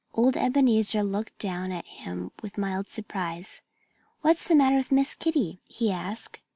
Old Ebenezer looked down at him with mild surprise. "What's the matter with Miss Kitty?" he asked.